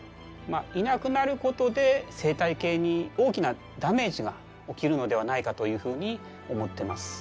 いなくなることで生態系に大きなダメージが起きるのではないかというふうに思ってます。